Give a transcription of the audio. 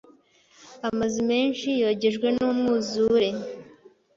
Amazu menshi yogejwe numwuzure.